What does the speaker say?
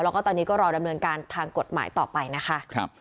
แล้วก็ตอนนี้ก็รอดำเนินการทางกฎหมายต่อไปนะคะ